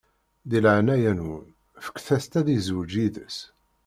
Di leɛnaya-nwen, fket-as-tt ad izweǧ yid-s.